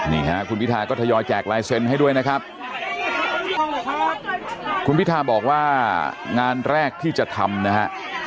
นี่ฮะคุณพิทาก็ทยอยแจกลายเซ็นต์ให้ด้วยนะครับคุณพิทาบอกว่างานแรกที่จะทำนะฮะ